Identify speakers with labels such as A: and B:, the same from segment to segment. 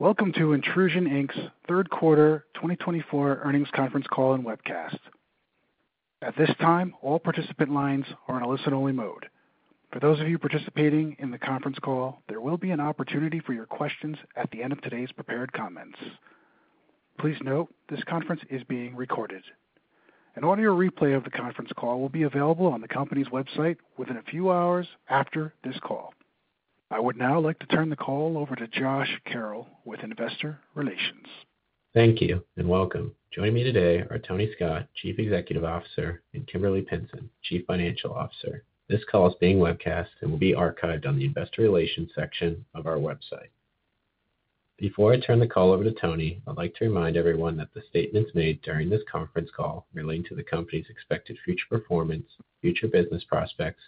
A: Welcome to Intrusion Inc.'s third quarter 2024 earnings conference call and webcast. At this time, all participant lines are in a listen-only mode. For those of you participating in the conference call, there will be an opportunity for your questions at the end of today's prepared comments. Please note this conference is being recorded. An audio replay of the conference call will be available on the company's website within a few hours after this call. I would now like to turn the call over to Josh Carroll with Investor Relations.
B: Thank you and welcome. Joining me today are Tony Scott, Chief Executive Officer, and Kimberly Pinson, Chief Financial Officer. This call is being webcast and will be archived on the Investor Relations section of our website. Before I turn the call over to Tony, I'd like to remind everyone that the statements made during this conference call relating to the company's expected future performance, future business prospects,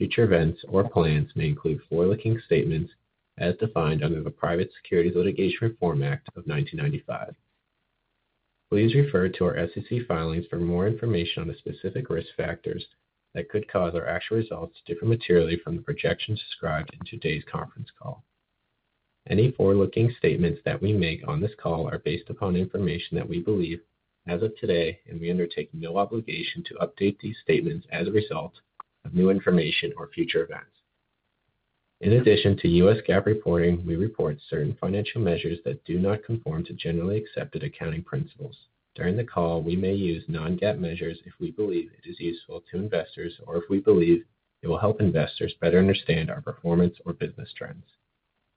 B: future events, or plans may include forward-looking statements as defined under the Private Securities Litigation Reform Act of 1995. Please refer to our SEC filings for more information on the specific risk factors that could cause our actual results to differ materially from the projections described in today's conference call. Any forward-looking statements that we make on this call are based upon information that we believe as of today, and we undertake no obligation to update these statements as a result of new information or future events. In addition to U.S. GAAP reporting, we report certain financial measures that do not conform to generally accepted accounting principles. During the call, we may use non-GAAP measures if we believe it is useful to investors or if we believe it will help investors better understand our performance or business trends.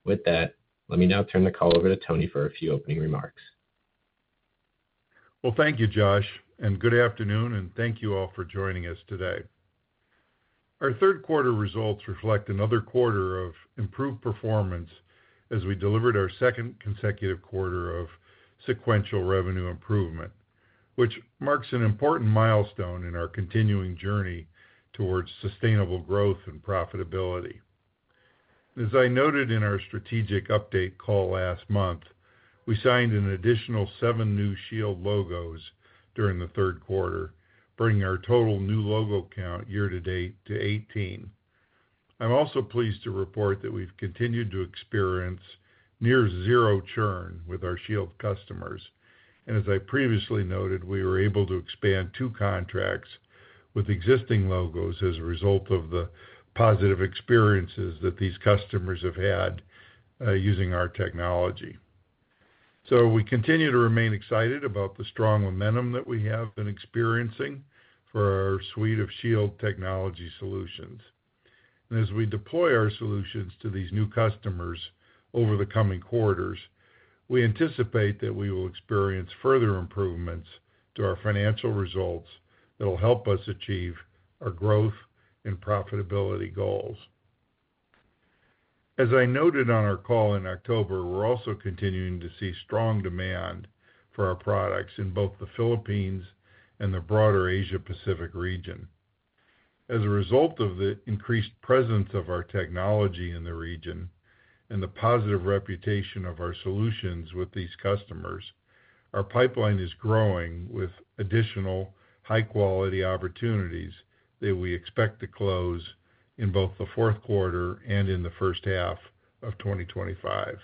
B: With that, let me now turn the call over to Tony for a few opening remarks.
C: Thank you, Josh, and good afternoon, and thank you all for joining us today. Our third quarter results reflect another quarter of improved performance as we delivered our second consecutive quarter of sequential revenue improvement, which marks an important milestone in our continuing journey towards sustainable growth and profitability. As I noted in our strategic update call last month, we signed an additional seven new Shield logos during the third quarter, bringing our total new logo count year to date to 18. I'm also pleased to report that we've continued to experience near-zero churn with our Shield customers. As I previously noted, we were able to expand two contracts with existing logos as a result of the positive experiences that these customers have had using our technology. We continue to remain excited about the strong momentum that we have been experiencing for our suite of Shield technology solutions. As we deploy our solutions to these new customers over the coming quarters, we anticipate that we will experience further improvements to our financial results that will help us achieve our growth and profitability goals. As I noted on our call in October, we're also continuing to see strong demand for our products in both the Philippines and the broader Asia-Pacific region. As a result of the increased presence of our technology in the region and the positive reputation of our solutions with these customers, our pipeline is growing with additional high-quality opportunities that we expect to close in both the fourth quarter and in the first half of 2025.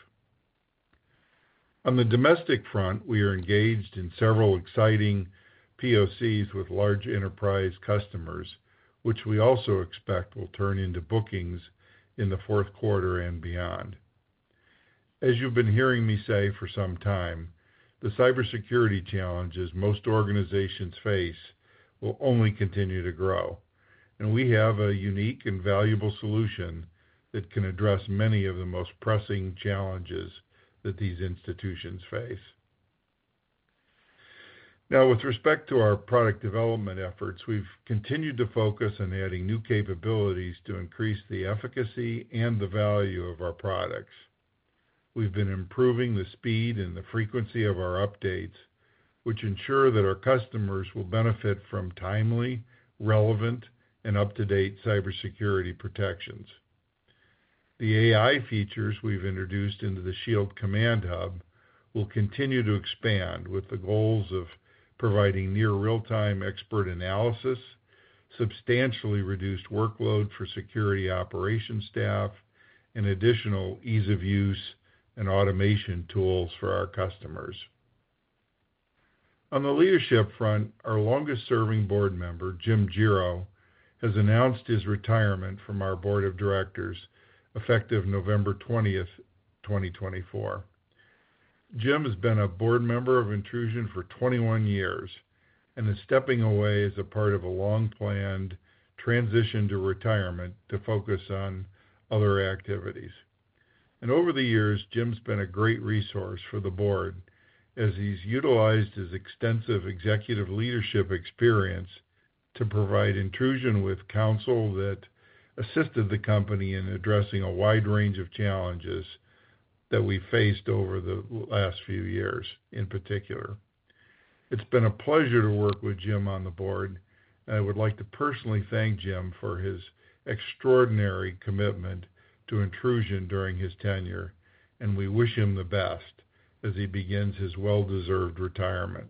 C: On the domestic front, we are engaged in several exciting POCs with large enterprise customers, which we also expect will turn into bookings in the fourth quarter and beyond. As you've been hearing me say for some time, the cybersecurity challenges most organizations face will only continue to grow. And we have a unique and valuable solution that can address many of the most pressing challenges that these institutions face. Now, with respect to our product development efforts, we've continued to focus on adding new capabilities to increase the efficacy and the value of our products. We've been improving the speed and the frequency of our updates, which ensure that our customers will benefit from timely, relevant, and up-to-date cybersecurity protections. The AI features we've introduced into the Shield Command Hub will continue to expand with the goals of providing near-real-time expert analysis, substantially reduced workload for security operations staff, and additional ease-of-use and automation tools for our customers. On the leadership front, our longest-serving board member, Jim Gero, has announced his retirement from our Board of Directors effective November 20, 2024. Jim has been a Board member of Intrusion for 21 years and is stepping away as a part of a long-planned transition to retirement to focus on other activities. And over the years, Jim's been a great resource for the board as he's utilized his extensive executive leadership experience to provide Intrusion with counsel that assisted the company in addressing a wide range of challenges that we've faced over the last few years in particular. It's been a pleasure to work with Jim on the board, and I would like to personally thank Jim for his extraordinary commitment to Intrusion during his tenure, and we wish him the best as he begins his well-deserved retirement.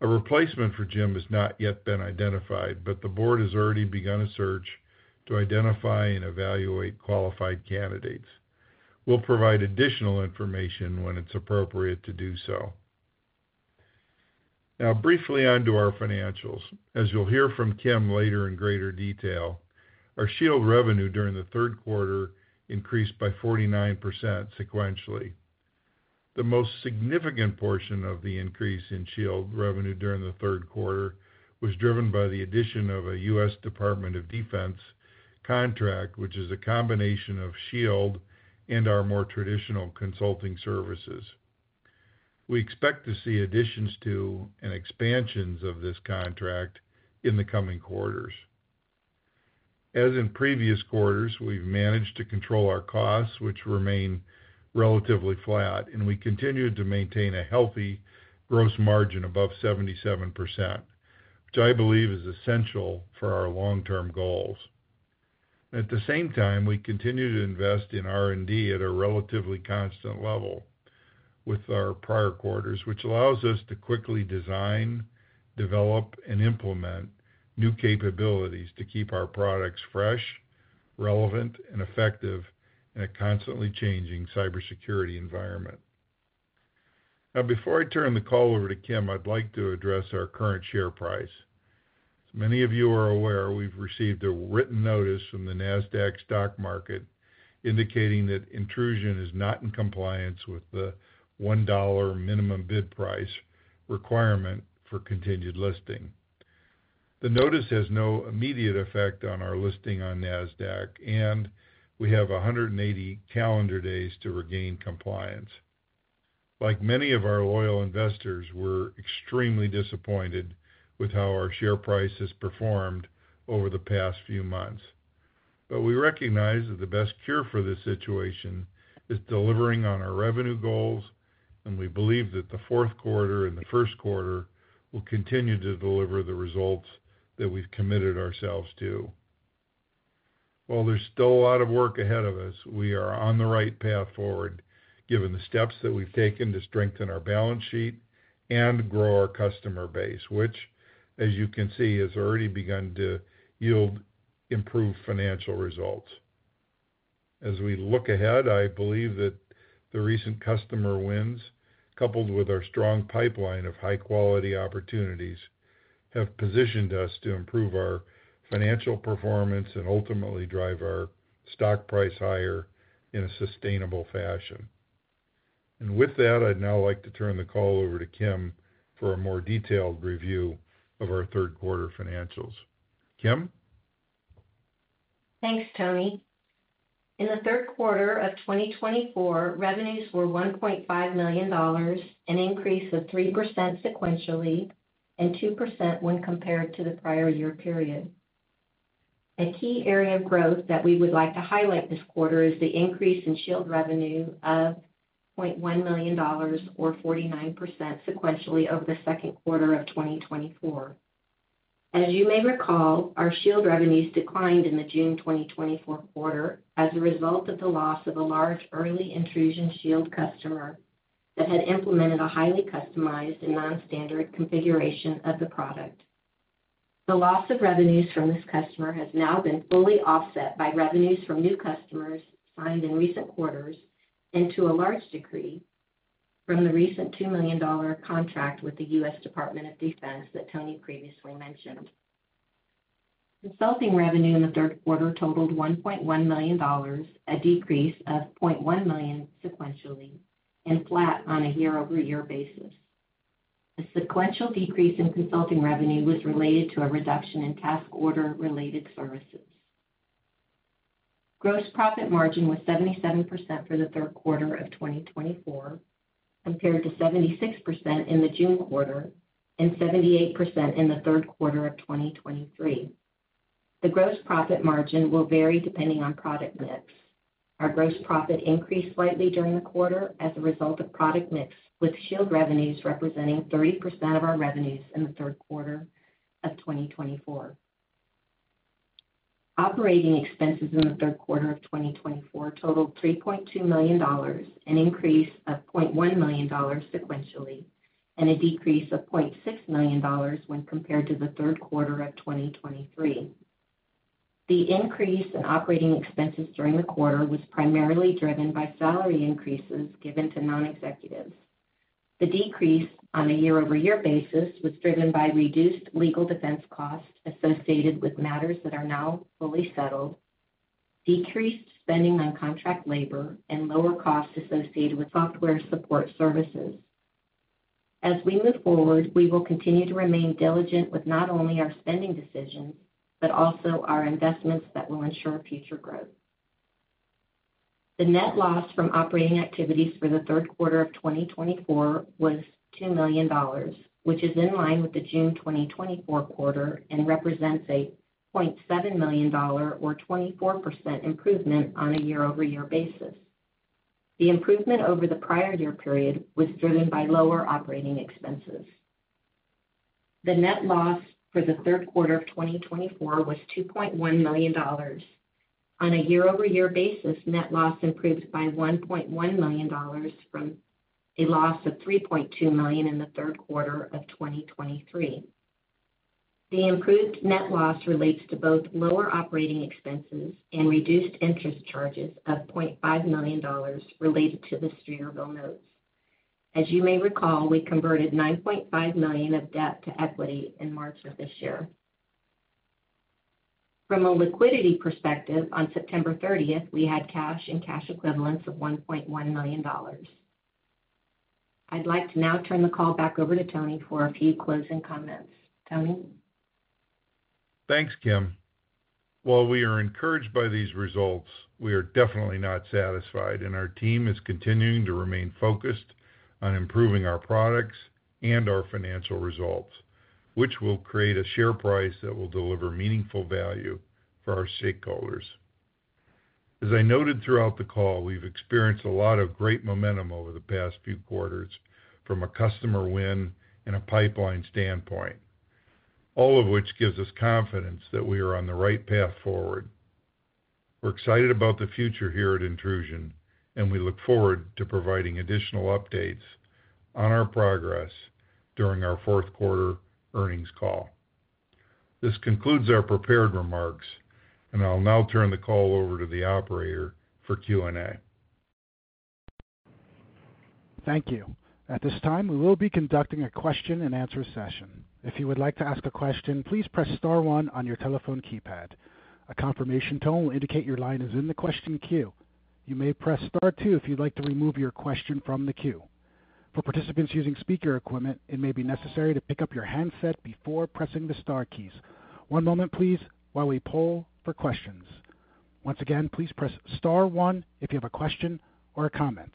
C: A replacement for Jim has not yet been identified, but the board has already begun a search to identify and evaluate qualified candidates. We'll provide additional information when it's appropriate to do so. Now, briefly onto our financials. As you'll hear from Kim later in greater detail, our Shield revenue during the third quarter increased by 49% sequentially. The most significant portion of the increase in Shield revenue during the third quarter was driven by the addition of a U.S. Department of Defense contract, which is a combination of Shield and our more traditional consulting services. We expect to see additions to and expansions of this contract in the coming quarters. As in previous quarters, we've managed to control our costs, which remain relatively flat, and we continue to maintain a healthy gross margin above 77%, which I believe is essential for our long-term goals. At the same time, we continue to invest in R&D at a relatively constant level with our prior quarters, which allows us to quickly design, develop, and implement new capabilities to keep our products fresh, relevant, and effective in a constantly changing cybersecurity environment. Now, before I turn the call over to Kim, I'd like to address our current share price. As many of you are aware, we've received a written notice from the Nasdaq stock market indicating that Intrusion is not in compliance with the $1 minimum bid price requirement for continued listing. The notice has no immediate effect on our listing on Nasdaq, and we have 180 calendar days to regain compliance. Like many of our loyal investors, we're extremely disappointed with how our share price has performed over the past few months. But we recognize that the best cure for this situation is delivering on our revenue goals, and we believe that the fourth quarter and the first quarter will continue to deliver the results that we've committed ourselves to. While there's still a lot of work ahead of us, we are on the right path forward given the steps that we've taken to strengthen our balance sheet and grow our customer base, which, as you can see, has already begun to yield improved financial results. As we look ahead, I believe that the recent customer wins, coupled with our strong pipeline of high-quality opportunities, have positioned us to improve our financial performance and ultimately drive our stock price higher in a sustainable fashion. And with that, I'd now like to turn the call over to Kim for a more detailed review of our third quarter financials. Kim?
D: Thanks, Tony. In the third quarter of 2024, revenues were $1.5 million, an increase of 3% sequentially and 2% when compared to the prior year period. A key area of growth that we would like to highlight this quarter is the increase in Shield revenue of $0.1 million, or 49% sequentially, over the second quarter of 2024. As you may recall, our Shield revenues declined in the June 2024 quarter as a result of the loss of a large early Intrusion Shield customer that had implemented a highly customized and non-standard configuration of the product. The loss of revenues from this customer has now been fully offset by revenues from new customers signed in recent quarters and to a large degree from the recent $2 million contract with the U.S. Department of Defense that Tony previously mentioned. Consulting revenue in the third quarter totaled $1.1 million, a decrease of $0.1 million sequentially and flat on a year-over-year basis. A sequential decrease in consulting revenue was related to a reduction in task order-related services. Gross profit margin was 77% for the third quarter of 2024, compared to 76% in the June quarter and 78% in the third quarter of 2023. The gross profit margin will vary depending on product mix. Our gross profit increased slightly during the quarter as a result of product mix, with Shield revenues representing 30% of our revenues in the third quarter of 2024. Operating expenses in the third quarter of 2024 totaled $3.2 million, an increase of $0.1 million sequentially, and a decrease of $0.6 million when compared to the third quarter of 2023. The increase in operating expenses during the quarter was primarily driven by salary increases given to non-executives. The decrease on a year-over-year basis was driven by reduced legal defense costs associated with matters that are now fully settled, decreased spending on contract labor, and lower costs associated with software support services. As we move forward, we will continue to remain diligent with not only our spending decisions but also our investments that will ensure future growth. The net loss from operating activities for the third quarter of 2024 was $2 million, which is in line with the June 2024 quarter and represents a $0.7 million, or 24% improvement on a year-over-year basis. The improvement over the prior year period was driven by lower operating expenses. The net loss for the third quarter of 2024 was $2.1 million. On a year-over-year basis, net loss improved by $1.1 million from a loss of $3.2 million in the third quarter of 2023. The improved net loss relates to both lower operating expenses and reduced interest charges of $0.5 million related to the Streeterville notes. As you may recall, we converted $9.5 million of debt to equity in March of this year. From a liquidity perspective, on September 30, we had cash and cash equivalents of $1.1 million. I'd like to now turn the call back over to Tony for a few closing comments. Tony?
C: Thanks, Kim. While we are encouraged by these results, we are definitely not satisfied, and our team is continuing to remain focused on improving our products and our financial results, which will create a share price that will deliver meaningful value for our stakeholders. As I noted throughout the call, we've experienced a lot of great momentum over the past few quarters from a customer win and a pipeline standpoint, all of which gives us confidence that we are on the right path forward. We're excited about the future here at Intrusion, and we look forward to providing additional updates on our progress during our fourth quarter earnings call. This concludes our prepared remarks, and I'll now turn the call over to the operator for Q&A.
A: Thank you. At this time, we will be conducting a question-and-answer session. If you would like to ask a question, please press star one on your telephone keypad. A confirmation tone will indicate your line is in the question queue. You may press star two if you'd like to remove your question from the queue. For participants using speaker equipment, it may be necessary to pick up your handset before pressing the star keys. One moment, please, while we poll for questions. Once again, please press star one if you have a question or a comment.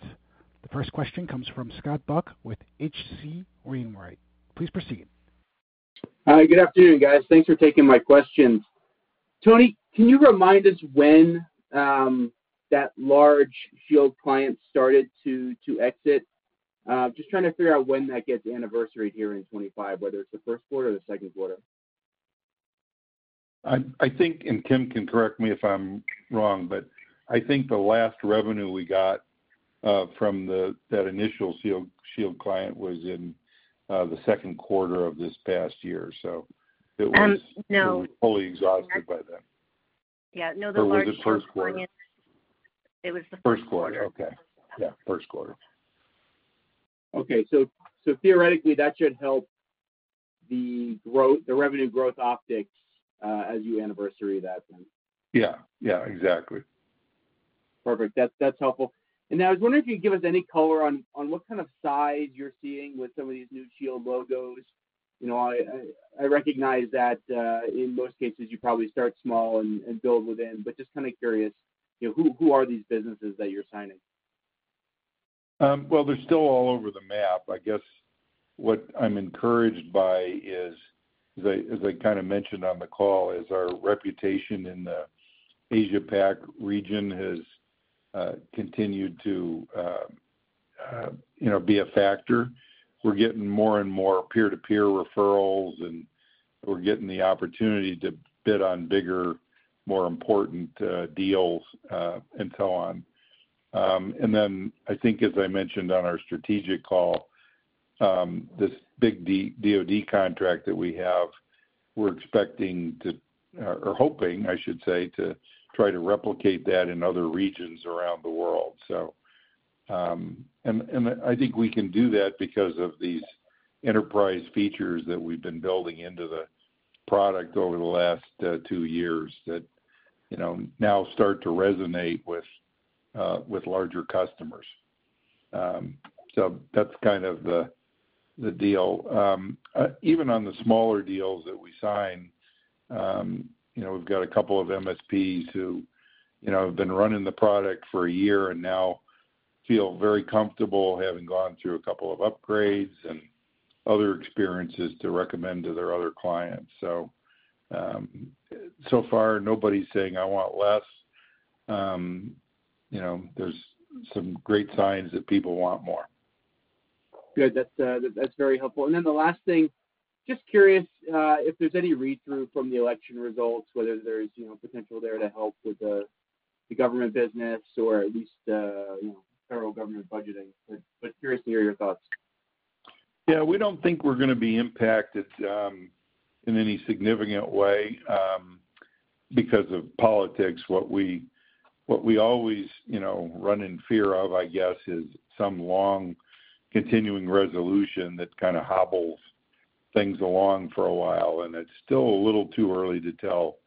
A: The first question comes from Scott Buck with H.C. Wainwright & Co. Please proceed.
E: Hi, good afternoon, guys. Thanks for taking my questions. Tony, can you remind us when that large Shield client started to exit? Just trying to figure out when that gets anniversary here in 2025, whether it's the first quarter or the second quarter.
C: I think, and Kim can correct me if I'm wrong, but I think the last revenue we got from that initial Shield client was in the second quarter of this past year. So it was fully exhausted by then.
D: Yeah. No, the largest was the first quarter.
C: It was the first quarter. Okay. Yeah, first quarter.
E: Okay. So, theoretically, that should help the revenue growth optics as you anniversary that, then.
C: Yeah. Yeah, exactly.
E: Perfect. That's helpful. And now, I was wondering if you could give us any color on what kind of size you're seeing with some of these new Shield logos. I recognize that in most cases, you probably start small and build within, but just kind of curious, who are these businesses that you're signing?
C: They're still all over the map. I guess what I'm encouraged by, as I kind of mentioned on the call, is our reputation in the Asia-Pac region has continued to be a factor. We're getting more and more peer-to-peer referrals, and we're getting the opportunity to bid on bigger, more important deals and so on. And then I think, as I mentioned on our strategic call, this big DOD contract that we have, we're expecting to, or hoping, I should say, to try to replicate that in other regions around the world. And I think we can do that because of these enterprise features that we've been building into the product over the last two years that now start to resonate with larger customers. So that's kind of the deal. Even on the smaller deals that we sign, we've got a couple of MSPs who have been running the product for a year and now feel very comfortable having gone through a couple of upgrades and other experiences to recommend to their other clients. So far, nobody's saying, "I want less." There's some great signs that people want more.
E: Good. That's very helpful. And then the last thing, just curious if there's any read-through from the election results, whether there's potential there to help with the government business or at least federal government budgeting. But curious to hear your thoughts.
C: Yeah. We don't think we're going to be impacted in any significant way because of politics. What we always run in fear of, I guess, is some long continuing resolution that kind of hobbles things along for a while, and it's still a little too early to tell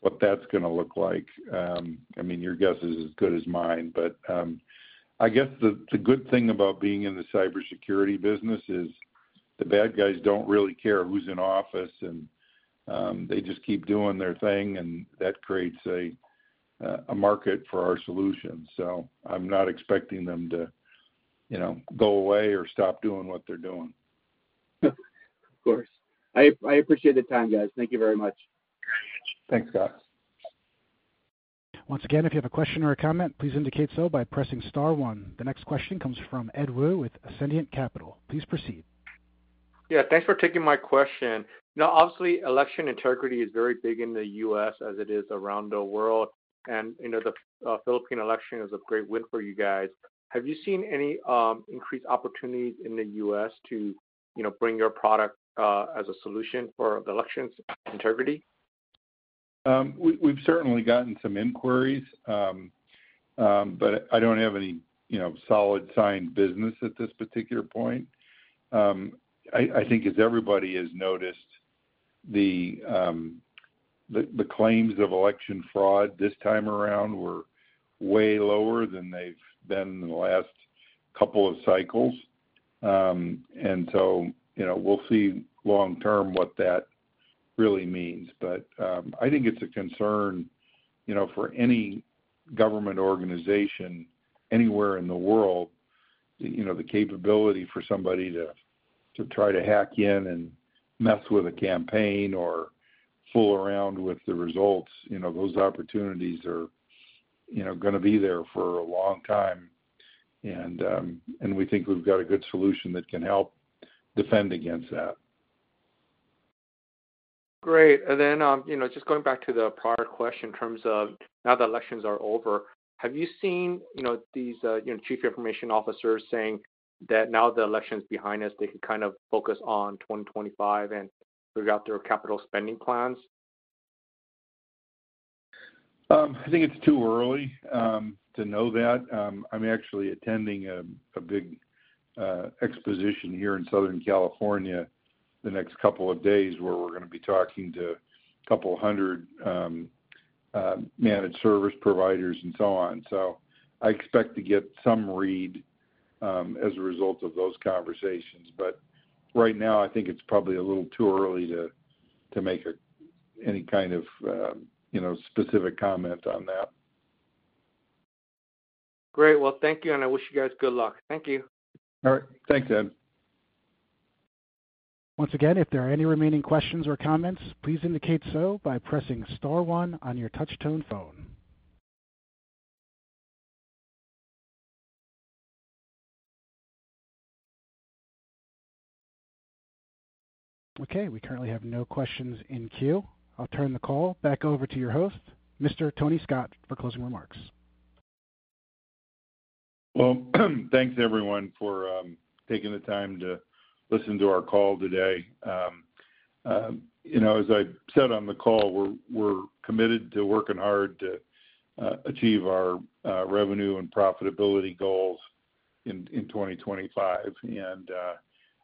C: what that's going to look like. I mean, your guess is as good as mine. But I guess the good thing about being in the cybersecurity business is the bad guys don't really care who's in office, and they just keep doing their thing, and that creates a market for our solutions. So I'm not expecting them to go away or stop doing what they're doing.
E: Of course. I appreciate the time, guys. Thank you very much.
C: Thanks, Scott.
A: Once again, if you have a question or a comment, please indicate so by pressing star one The next question comes from Ed Woo with Ascendiant Capital. Please proceed.
F: Yeah. Thanks for taking my question. Now, obviously, election integrity is very big in the U.S. as it is around the world, and the Philippine election is a great win for you guys. Have you seen any increased opportunities in the U.S. to bring your product as a solution for election integrity?
C: We've certainly gotten some inquiries, but I don't have any solid signed business at this particular point. I think, as everybody has noticed, the claims of election fraud this time around were way lower than they've been in the last couple of cycles, and so we'll see long-term what that really means, but I think it's a concern for any government organization anywhere in the world. The capability for somebody to try to hack in and mess with a campaign or fool around with the results, those opportunities are going to be there for a long time, and we think we've got a good solution that can help defend against that.
F: Great. And then just going back to the prior question in terms of now the elections are over, have you seen these chief information officers saying that now the election's behind us, they can kind of focus on 2025 and figure out their capital spending plans?
C: I think it's too early to know that. I'm actually attending a big exposition here in Southern California the next couple of days where we're going to be talking to a couple hundred managed service providers and so on. So I expect to get some read as a result of those conversations. But right now, I think it's probably a little too early to make any kind of specific comment on that.
F: Great. Well, thank you, and I wish you guys good luck. Thank you.
C: All right. Thanks, Ed.
A: Once again, if there are any remaining questions or comments, please indicate so by pressing star one on your touch-tone phone. Okay. We currently have no questions in queue. I'll turn the call back over to your host, Mr. Tony Scott, for closing remarks.
C: Well, thanks, everyone, for taking the time to listen to our call today. As I said on the call, we're committed to working hard to achieve our revenue and profitability goals in 2025. And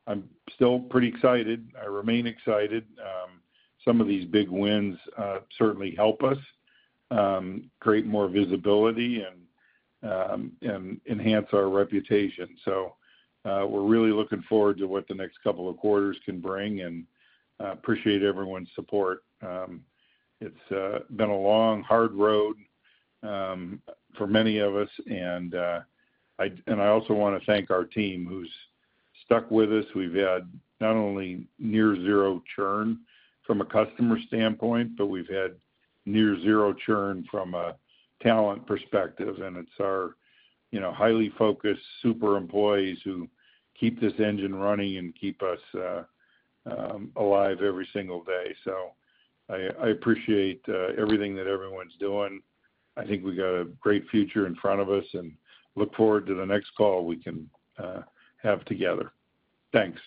C: I'm still pretty excited. I remain excited. Some of these big wins certainly help us create more visibility and enhance our reputation. So we're really looking forward to what the next couple of quarters can bring, and I appreciate everyone's support. It's been a long, hard road for many of us. And I also want to thank our team who's stuck with us. We've had not only near-zero churn from a customer standpoint, but we've had near-zero churn from a talent perspective. And it's our highly focused super employees who keep this engine running and keep us alive every single day. So I appreciate everything that everyone's doing. I think we've got a great future in front of us, and look forward to the next call we can have together. Thanks.